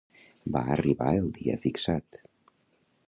Va arribar el dia fixat.